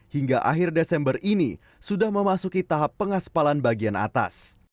hingga akhir desember ini sudah memasuki tahap pengaspalan bagian atas